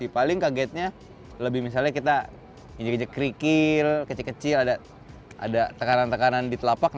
paling kagetnya lebih misalnya kita ngejek ngejek kerikil kecil kecil ada tekanan tekanan di telapak